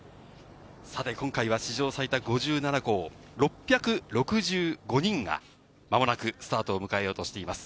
さて今回は史上最多５７校、６６５人が間もなくスタートを迎えようとしています。